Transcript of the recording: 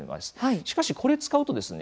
しかし、これ使うとですね